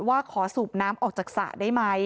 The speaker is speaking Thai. ว่าขอสูบน้ำออกจากสระได้ไหม